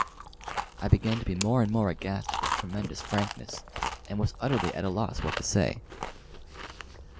I began to be more and more aghast at this tremendous frankness, and was utterly at a loss what to say.